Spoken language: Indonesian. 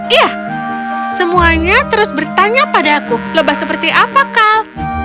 iya semuanya terus bertanya pada aku lebah seperti apa kau